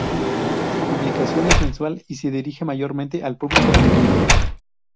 Su publicación es mensual y se dirige mayormente al público femenino.